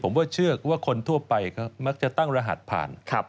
ผมว่าเชื่อว่าคนทั่วไปมักจะตั้งรหัสผ่าน